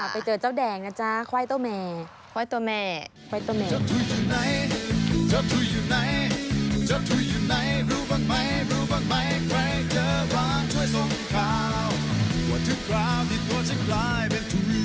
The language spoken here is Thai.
ไปเจอเจ้าแดงนะจ๊ะควายตัวแม่ควายตัวแม่ควายตัวแม่